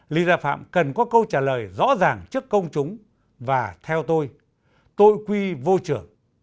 lý gia phạm cần có câu trả lời rõ ràng trước công chúng và theo tôi tội quy vô trưởng